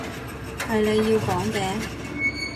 係你要講嘅